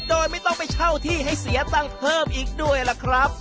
โดยไม่ต้องไปเช่าที่ให้เสียตังค์เพิ่มอีกด้วยล่ะครับ